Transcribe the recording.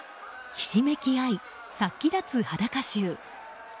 ひしめき合い、殺気立つ裸衆。